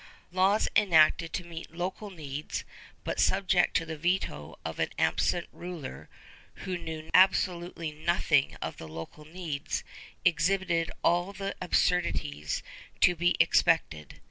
Laws enacted to meet local needs, but subject to the veto of an absent ruler, who knew absolutely nothing of local needs, exhibited all the absurdities to be expected.